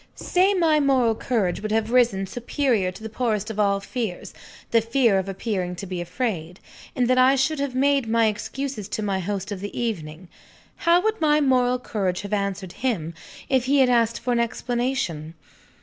Say that my moral courage would have risen superior to the poorest of all fears, the fear of appearing to be afraid, and that I should have made my excuses to my host of the evening how would my moral courage have answered him, if he had asked for an explanation?